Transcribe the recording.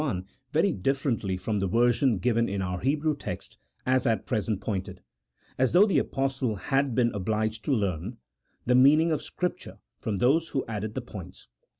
31) very differently from the version given in our Hebrew text as at present pointed, as though the Apostle had been obliged to learn the mean ing of Scripture from those who added the points.